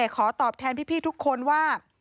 ขอตอบแทนพี่ทุกคนว่า